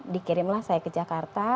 dikirimlah saya ke jakarta